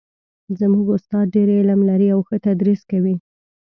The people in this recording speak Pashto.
زموږ استاد ډېر علم لري او ښه تدریس کوي